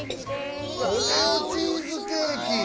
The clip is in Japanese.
オレオチーズケーキ。